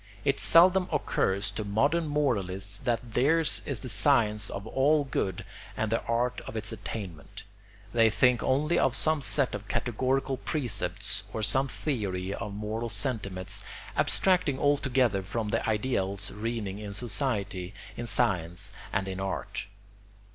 It seldom occurs to modern moralists that theirs is the science of all good and the art of its attainment; they think only of some set of categorical precepts or some theory of moral sentiments, abstracting altogether from the ideals reigning in society, in science, and in art.